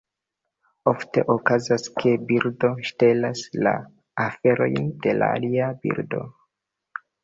Ofte okazas, ke birdo ŝtelas la aferojn de alia birdo.